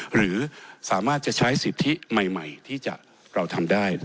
หรือสามารถจะใช้สิทธิใหม่ที่เราทำได้